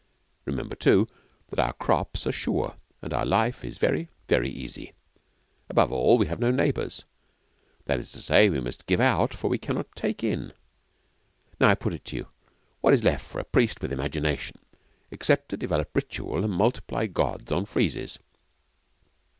Remember too, that our crops are sure, and our life is very, very easy. Above all, we have no neighbours That is to say, we must give out, for we cannot take in. Now, I put it to you, what is left for a priest with imagination, except to develop ritual and multiply gods on friezes?